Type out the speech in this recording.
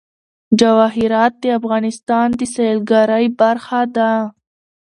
جواهرات د افغانستان د سیلګرۍ برخه ده.